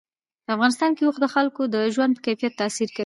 په افغانستان کې اوښ د خلکو د ژوند په کیفیت تاثیر کوي.